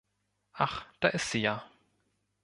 Ach, da ist sie ja.